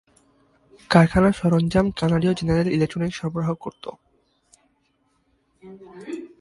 কারখানার সরঞ্জাম কানাডিয়ীয় general electronic সরবরাহ করত।